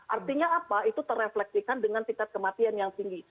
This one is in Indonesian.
artinya apa itu terefleksikan dengan tingkat kematian yang tinggi